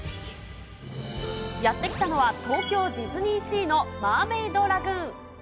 やって来たのは、東京ディズニーシーのマーメイドラグーン。